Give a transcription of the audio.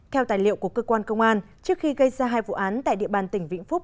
theo tài liệu của cơ quan công an trước khi gây ra hai vụ án tại địa bàn tỉnh vĩnh phúc